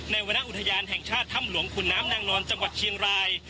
วรรณอุทยานแห่งชาติถ้ำหลวงขุนน้ำนางนอนจังหวัดเชียงราย